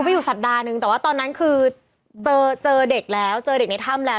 ไปอยู่สัปดาห์นึงแต่ว่าตอนนั้นคือเจอเด็กแล้วเจอเด็กในถ้ำแล้ว